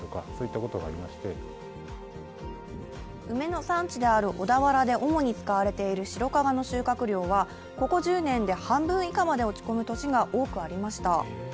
梅の産地である小田原で主に使われている白加賀の収穫はここ１０年で半分以下まで落ち込む年が多くありました。